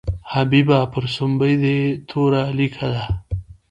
حبیبه پر سومبۍ دې توره لیکه ده.